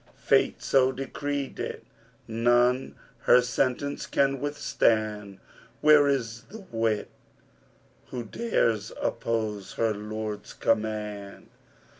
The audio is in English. Fate so decreed it! None her sentence can withstand: * Where is the wight who dares oppose his Lord's command?'